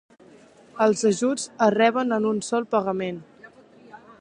Els ajuts es reben en un sol pagament.